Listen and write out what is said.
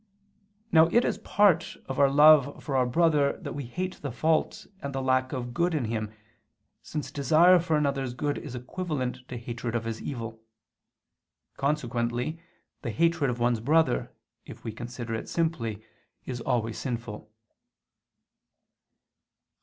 Now it is part of our love for our brother that we hate the fault and the lack of good in him, since desire for another's good is equivalent to hatred of his evil. Consequently the hatred of one's brother, if we consider it simply, is always sinful.